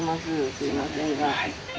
すいませんが。